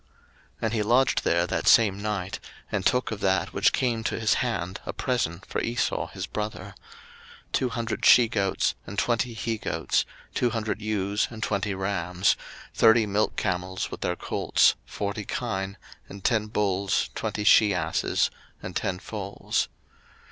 01:032:013 And he lodged there that same night; and took of that which came to his hand a present for Esau his brother; 01:032:014 Two hundred she goats, and twenty he goats, two hundred ewes, and twenty rams, 01:032:015 Thirty milch camels with their colts, forty kine, and ten bulls, twenty she asses, and ten foals.